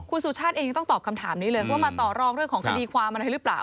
คุณสุชาติเองยังต้องตอบคำถามนี้เลยว่ามาต่อรองเรื่องของคดีความอะไรหรือเปล่า